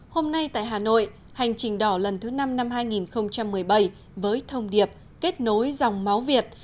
hôm nay tại hà nội hành trình đỏ lần thứ năm năm hai nghìn một mươi bảy với thông điệp kết nối dòng máu việt